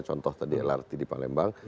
contoh tadi lrt di palembang